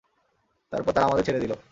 তারপর তারা আমাদের ছেড়ে দিল।